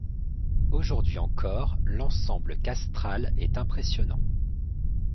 Aujourd’hui encore, l’ensemble castral est impressionnant.